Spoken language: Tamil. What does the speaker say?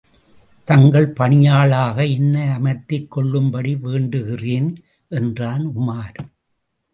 தங்கள் பணியாளாக என்னை அமர்த்திக் கொள்ளும்படி வேண்டுகிறேன்! என்றான் உமார்.